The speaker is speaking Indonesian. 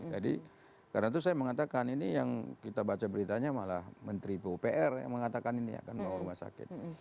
jadi karena itu saya mengatakan ini yang kita baca beritanya malah menteri pupr yang mengatakan ini akan membawa rumah sakit